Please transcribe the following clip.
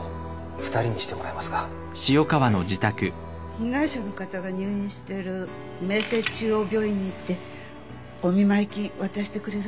被害者の方が入院してる明星中央病院に行ってお見舞い金渡してくれる？